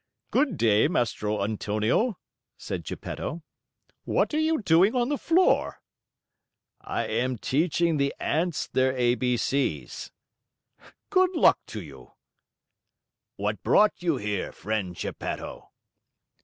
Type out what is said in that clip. "Good day, Mastro Antonio," said Geppetto. "What are you doing on the floor?" "I am teaching the ants their A B C's." "Good luck to you!" "What brought you here, friend Geppetto?"